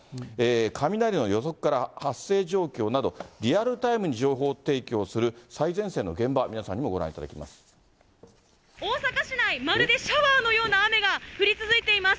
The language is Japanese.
雷の予測から発生状況など、リアルタイムに情報提供する最前線の現場、皆さんにもご覧いただ大阪市内、まるでシャワーのような雨が降り続いています。